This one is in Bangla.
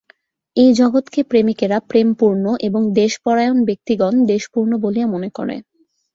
এই জগৎকে প্রেমিকেরা প্রেমপূর্ণ এবং দ্বেষপরায়ণ ব্যক্তিগণ দ্বেষপূর্ণ বলিয়া মনে করে।